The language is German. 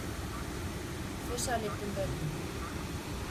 Fischer lebt in Berlin.